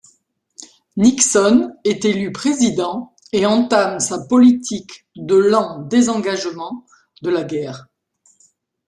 Nixon est élu président et entame sa politique de lent désengagement de la guerre.